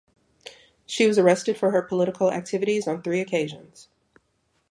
She was arrested for her political activities on three occasions.